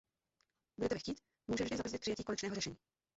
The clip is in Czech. Bude-li chtít, může vždy zabrzdit přijetí konečného řešení.